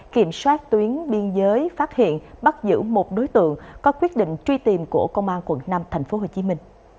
kiểm soát tuyến biên giới phát hiện bắt giữ một đối tượng có quyết định truy tìm của công an quận năm tp hcm